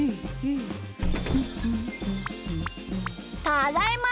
ただいま。